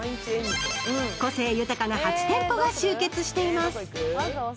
個性豊かな８店舗が集結しています